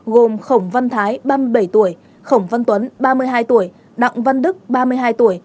gồm khổng văn thái ba mươi bảy tuổi khổng văn tuấn ba mươi hai tuổi đặng văn đức ba mươi hai tuổi